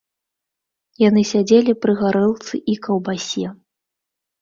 Яны сядзелі пры гарэлцы і каўбасе.